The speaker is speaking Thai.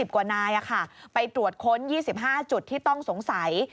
กว่านายไปตรวจค้น๒๕จุดที่ต้องสงสัย